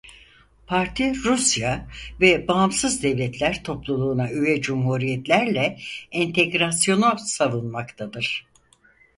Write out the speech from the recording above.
Parti Rusya ve Bağımsız Devletler Topluluğu'na üye cumhuriyetlerle entegrasyonu savunmaktadır.